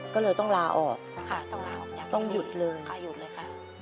ก็เลยต้องลาออกนะคะต้องลาออกจ้ต้องหยุดเลยค่ะหยุดเลยค่ะ